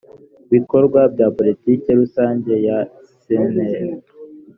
bikorwa bya poilitiki rusange ya sner